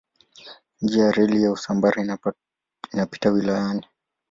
Njia ya reli ya Usambara inapita wilayani.